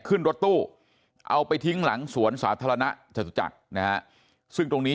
ขึ้นรถตู้เอาไปทิ้งหลังสวนสาธารณะจตุจักรนะฮะซึ่งตรงนี้